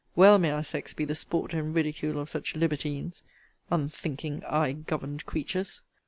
Well may our sex be the sport and ridicule of such libertines! Unthinking eye governed creatures!